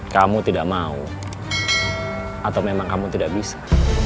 kamu tidak mau atau memang kamu tidak bisa